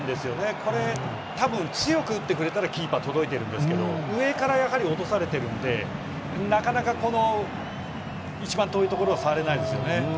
これ、多分、強く打ってくれたらキーパー届いているんですけれど上からやはり落とされているんでなかなか、この一番遠い所触れないですよね。